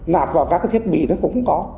nạp vào các thiết bị nó cũng có